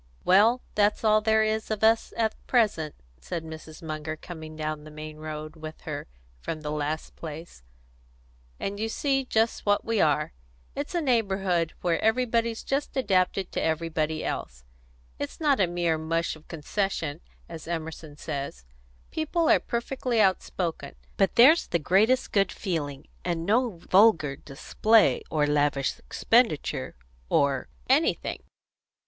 "Well, that's all there is of us at present," said Mrs. Munger, coming down the main road with her from the last place, "and you see just what we are. It's a neighbourhood where everybody's just adapted to everybody else. It's not a mere mush of concession, as Emerson says; people are perfectly outspoken; but there's the greatest good feeling, and no vulgar display, or lavish expenditure, or anything."